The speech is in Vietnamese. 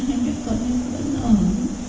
em đã còn em vẫn ổn